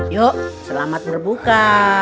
yuk selamat berbuka